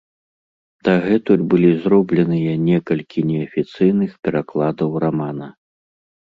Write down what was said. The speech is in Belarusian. Дагэтуль былі зробленыя некалькі неафіцыйных перакладаў рамана.